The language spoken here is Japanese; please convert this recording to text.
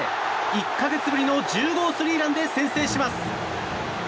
１か月ぶりの１０号スリーランで先制します。